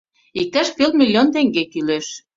— Иктаж пел миллион теҥге кӱлеш.